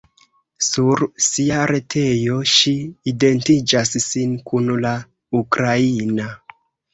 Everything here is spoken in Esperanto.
Sur sia retejo, ŝi identiĝas sin kun la ukraina.